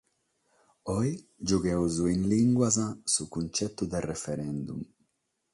Oe giughimus in limbas su cuntzetu de Referendum.